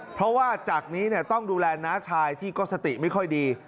เพราะว่าจากนี้ต้องดูแลน้าชายที่ก็สติไม่ค่อยดี